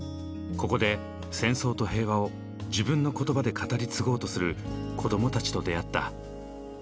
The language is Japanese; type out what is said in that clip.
ここで戦争と平和を自分の言葉で語り継ごうとする子どもたちと出会った。